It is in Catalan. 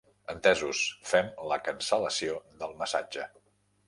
Entesos, fem la cancel·lació del massatge.